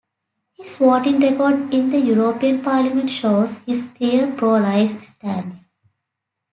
His voting record in the European Parliament shows his clear pro-life stance.